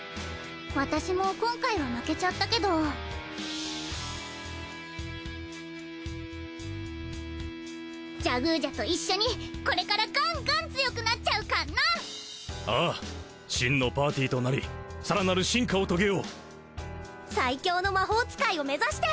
私も今回は負けちゃったけどジャグージャと一緒にこれからガンガン強くなっちゃうカンナああ真のパーティとなりさらなる進化を遂げよう最強の魔法使いを目指して！